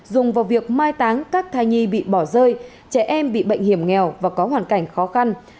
dùng vào việc mai táng các thai nhi bị bỏ rơi trẻ em bị bệnh hiểm nghèo và có hoàn cảnh khó khăn